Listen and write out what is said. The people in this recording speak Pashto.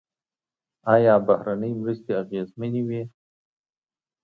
آیا بهرنۍ مرستې اغیزمنې وې؟